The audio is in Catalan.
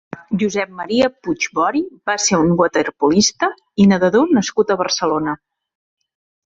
Josep Maria Puig Bori va ser un waterpolista i nedador nascut a Barcelona.